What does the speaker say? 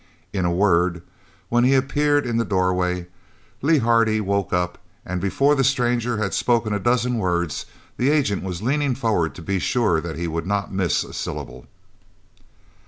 In a word, when he appeared in the doorway Lee Hardy woke up, and before the stranger had spoken a dozen words the agent was leaning forward to be sure that he would not miss a syllable.